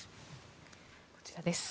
こちらです。